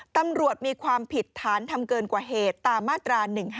ตำรวจมีความผิดฐานทำเกินกว่าเหตุตามมาตรา๑๕